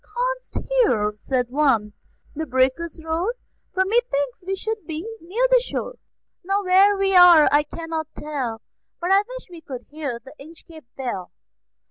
"Canst hear," said one, "the breakers roar? For methinks we should be near the shore." "Now where we are I cannot tell, But I wish we could hear the Inchcape Bell."